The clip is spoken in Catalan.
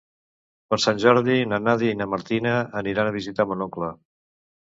Per Sant Jordi na Nàdia i na Martina aniran a visitar mon oncle.